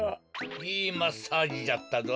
いいマッサージじゃったぞ。